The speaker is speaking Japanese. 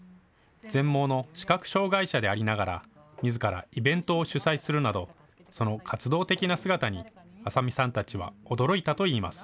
全盲の視覚障害者でありながらみずからイベントを主催するなどその活動的な姿に浅見さんたちは驚いたといいます。